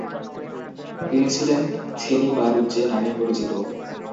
তিনি ছিলেন ছেনি বাঁড়ুজ্জে নামে পরিচিত।